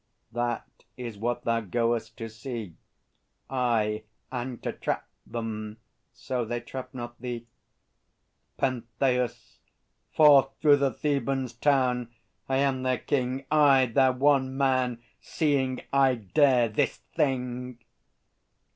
That is what thou goest to see, Aye, and to trap them so they trap not thee! PENTHEUS. Forth through the Thebans' town! I am their king, Aye, their one Man, seeing I dare this thing!